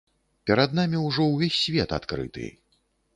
Перад намі ўжо ўвесь свет адкрыты.